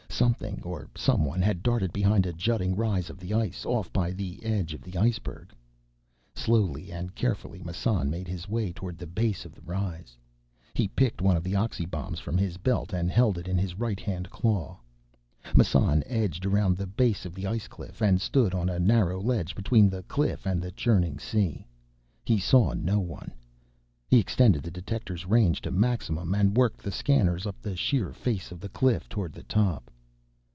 Something, or someone, had darted behind a jutting rise of the ice, off by the edge of the iceberg. Slowly and carefully, Massan made his way toward the base of the rise. He picked one of the oxy bombs from his belt and held it in his right hand claw. Massan edged around the base of the ice cliff, and stood on a narrow ledge between the cliff and the churning sea. He saw no one. He extended the detector's range to maximum, and worked the scanners up the sheer face of the cliff toward the top.